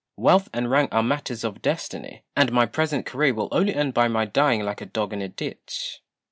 Wealth and rank are matters of destiny, and my present career will only end by my dying like a dog in a ditch.